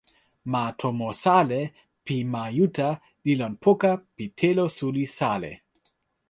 ma tomo Sale pi ma Juta li lon poka pi telo suli Sale.